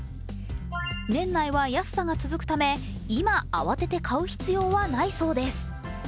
年内は安さが続くため今慌てて買う必要はないそうです。